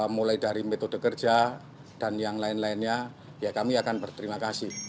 mulai dari metode kerja dan yang lain lainnya ya kami akan berterima kasih